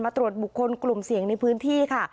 ตรวจบุคคลกลุ่มเสี่ยงในพื้นที่ค่ะ